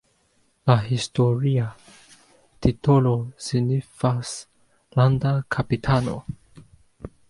La historia titolo signifas "landa kapitano".